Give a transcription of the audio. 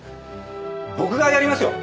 僕がやりますよ。